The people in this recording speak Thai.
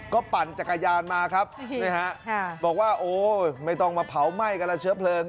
ก็ปั่นจักรยานมาครับบอกว่าโอ้ไม่ต้องมาเผาไหม้กันแล้วเชื้อเพลิง